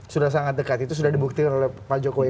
sudah sangat dekat itu sudah dibuktikan oleh pak jokowi